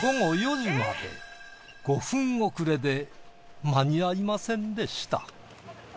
５分遅れで間に合いませんでした。